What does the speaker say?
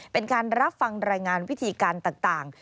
เป็นการรับฟังรายงานวิธีการต่าง